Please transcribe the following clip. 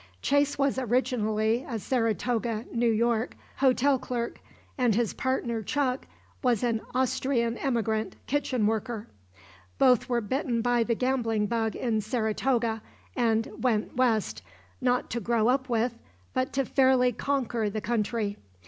Chase was originally a Saratoga, N. Y., hotel clerk and his partner Chuck was an Austrian emigrant, kitchen worker. Both were bitten by the gambling bug in Saratoga and went West, not to grow up with, but to fairly conquer the country.